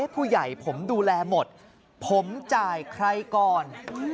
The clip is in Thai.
ผู้ใหญ่ผมดูแลหมดผมจ่ายใครก่อน